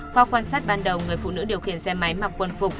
qua quan sát ban đầu người phụ nữ điều khiển xe máy mặc quân phục